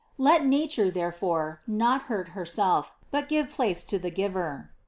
Let natnre, therefore, B0( hart herself, but give place to the Giver.